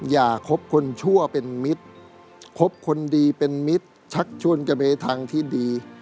อย่าคบคนชั่วเป็นมิตคบคนดีเป็นมิตชักชวนกระเบทังที่ดี